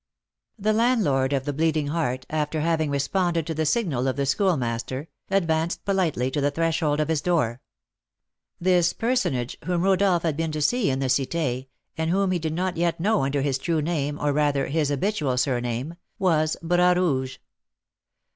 The landlord of the Bleeding Heart, after having responded to the signal of the Schoolmaster, advanced politely to the threshold of his door. This personage, whom Rodolph had been to see in the Cité, and whom he did not yet know under his true name, or, rather, his habitual surname, was Bras Rouge.